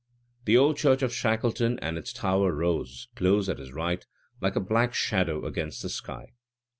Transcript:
The old church of Shackleton and its tower rose, close at his right, like a black shadow against the sky.